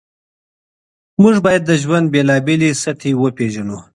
موږ باید د ژوند بېلابېلې سطحې وپېژنو.